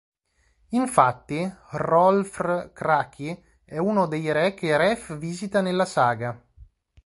Infatti Hrólfr Kraki è uno dei re che Ref visita nella saga.